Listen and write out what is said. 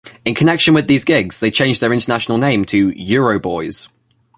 In connection with these gigs, they changed their international name to Euroboys.